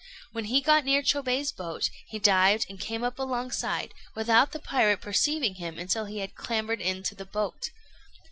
When he got near Chôbei's boat, he dived and came up alongside, without the pirate perceiving him until he had clambered into the boat.